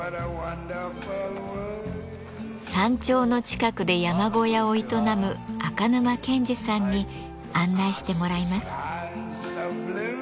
山頂の近くで山小屋を営む赤沼健至さんに案内してもらいます。